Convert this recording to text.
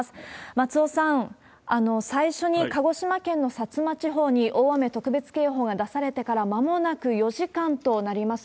松尾さん、最初に鹿児島県の薩摩地方に大雨特別警報が出されてからまもなく４時間となります。